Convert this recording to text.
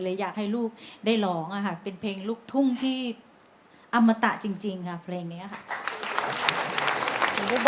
อยากให้ลูกได้ร้องเป็นเพลงลูกทุ่งที่อมตะจริงค่ะเพลงนี้ค่ะ